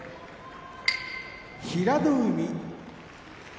平戸海